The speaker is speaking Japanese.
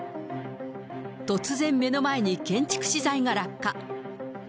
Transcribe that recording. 突然、目の前に建築資材が落下。